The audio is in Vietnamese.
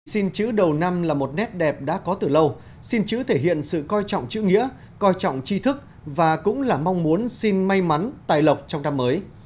xin chữ đầu năm là một nét đẹp đã có từ lâu xin chữ thể hiện sự coi trọng chữ nghĩa coi trọng chi thức và cũng là mong muốn xin may mắn tài lộc trong năm mới